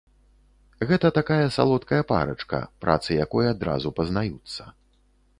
Гэта такая салодкая парачка, працы якой адразу пазнаюцца.